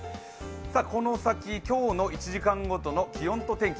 この先、今日の１時間ごとの気温と天気